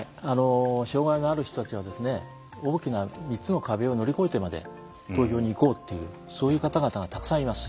障害がある人たちは大きな３つの壁を乗り越えてまで投票に行こうというそういう方々がたくさんいます。